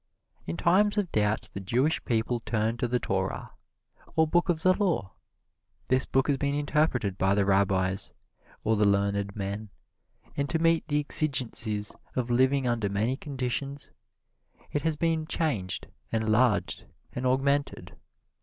In times of doubt the Jewish people turn to the Torah, or Book of the Law. This book has been interpreted by the Rabbis, or the learned men, and to meet the exigencies of living under many conditions, it has been changed, enlarged and augmented.